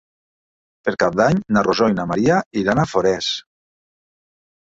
Per Cap d'Any na Rosó i na Maria iran a Forès.